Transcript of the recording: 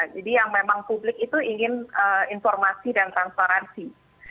jadi yang memang publik itu ingin informasi dan transferansi